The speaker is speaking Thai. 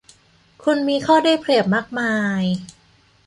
คุณมีข้อได้เปรียบมากมาย